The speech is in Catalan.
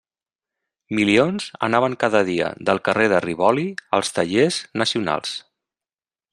Milions anaven cada dia del carrer de Rivoli als tallers nacionals.